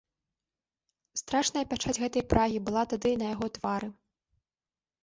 Страшная пячаць гэтай прагі была тады на яго твары.